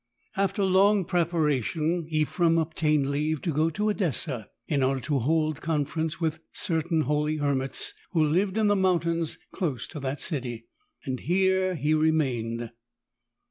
III. After long preparation Ephrem obtained leave to go to Edessa in order to hold conference with certain holy hermits who lived in the mountains close to that city, and here he remained.